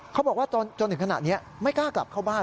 เขาบอกว่าจนถึงขณะนี้ไม่กล้ากลับเข้าบ้าน